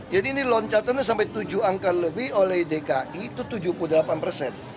jadi ini loncatannya sampai tujuh angka lebih oleh dki itu tujuh puluh delapan persen